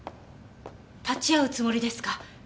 立ち会うつもりですか？